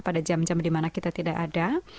pada jam jam di mana kita tidak ada